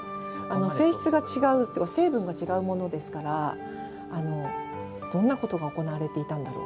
水質が違うというか成分が違うものですからどんなことが行われていたんだろう。